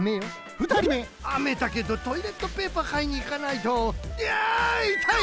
ふたりめあめだけどトイレットペーパーかいにいかないといやいたい！